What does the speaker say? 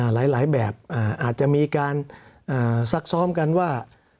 หลายแบบอาจจะมีการซักซ้อมกันว่า